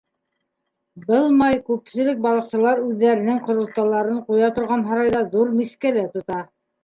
Был май күпселек балыҡсылар үҙҙәренең ҡаралтыларын ҡуя торған һарайҙа ҙур мискәлә тора.